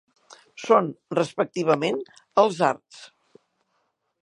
Són, respectivament, els arts.